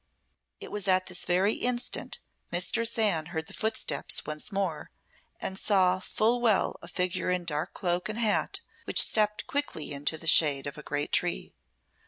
It was at this very instant Mistress Anne heard the footsteps once more, and saw full well a figure in dark cloak and hat which stepped quickly into the shade of a great tree.